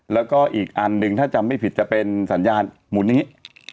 แล้วก็อีกอันหนึ่งถ้าจำไม่ผิดจะเป็นสัญญาณหมุนอย่างนี้